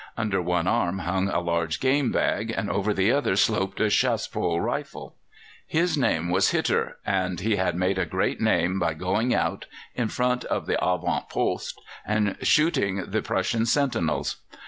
Under one arm hung a large game bag, and over the other sloped a chassepot rifle. His name was Hitter, and he had made a great name by going out in front of the avant poste and shooting the Prussian sentinels.